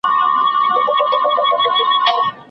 انار وینه پاکوي.